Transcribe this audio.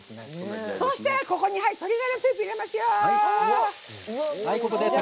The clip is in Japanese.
そしたらここに鶏ガラスープ入れますよ。